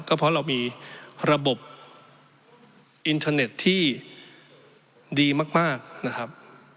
ก็เพราะเรามีระบบอินเทอร์เน็ตที่ดีมากนะครับ